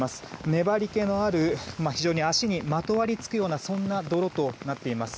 粘り気のある非常に足にまとわりつくようなそんな泥となっています。